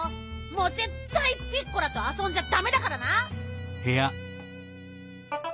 もうぜったいピッコラとあそんじゃダメだからな！